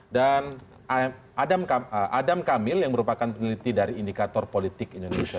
dan adam kamil yang merupakan peneliti dari indikator politik indonesia